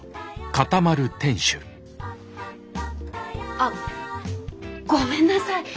あっごめんなさい。